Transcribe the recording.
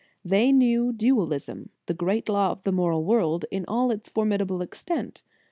They knew dual ism, the great law of the moral world, in all its formidable extent.